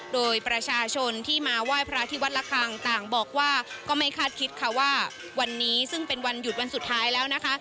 โดยประชาชนที่มาไหว้พระที่วัดละคังต่างบอกว่าก็ไม่คาดคิดค่ะว่าวันนี้ซึ่งเป็นวันหยุดวันสุดท้ายแล้วนะคะ